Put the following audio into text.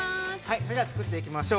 ◆それでは作っていきましょう。